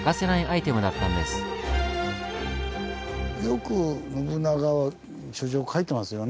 よく信長は書状書いてますよね。